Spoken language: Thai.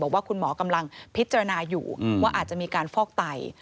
บอกว่าคุณหมอกำลังพิจารณาอยู่ว่าอาจจะมีการฟอกไต